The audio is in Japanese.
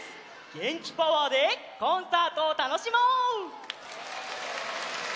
げんきパワーでコンサートをたのしもう！